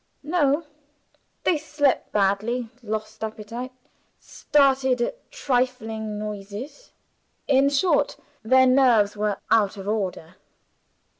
"No. They slept badly lost appetite started at trifling noises. In short, their nerves were out of order."